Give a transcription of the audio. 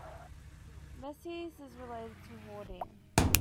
Messies is related to "Hoarding".